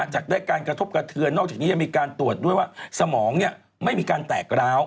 จากนั้นการกระทบกระเทือนจะมีการตรวจสมองไม่มีการแตกร้าว